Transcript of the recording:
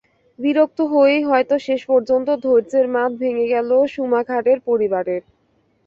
বিরক্ত হয়েই হয়তো শেষ পর্যন্ত ধৈর্যের বাঁধ ভেঙে গেল শুমাখারের পরিবারের।